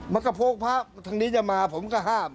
มันก็โพกพ่อทางนี้จะมาผมก็ห้าม